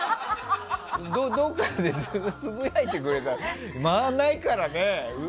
どこかでつぶやいてくれてもまあ、ないからね。